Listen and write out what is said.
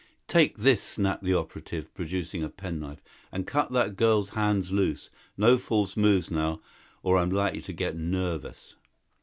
"Take this," snapped the operative, producing a penknife, "and cut that girl's hands loose! No false moves now or I'm likely to get nervous!"